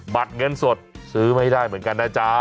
เงินสดซื้อไม่ได้เหมือนกันนะจ๊ะ